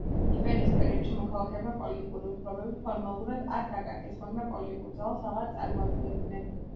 იმპერიის პერიოდში მოქალაქეებმა პოლიტიკური უფლებები ფორმალურად არ დაკარგეს, მაგრამ პოლიტიკურ ძალას აღარ წარმოადგენდნენ.